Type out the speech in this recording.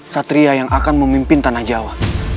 satria yang akan memimpin tanah jawa